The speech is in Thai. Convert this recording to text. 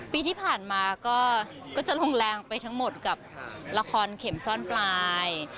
ปีที่ผ่านมาก็จะลงแรงไปทั้งหมดกับละครเข็มซ่อนปลาย